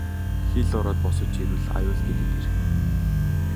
Хэл ороод босож ирвэл аюул гэдэг тэр.